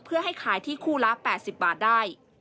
เพื่อให้ขายที่คู่ละ๘๐บาทได้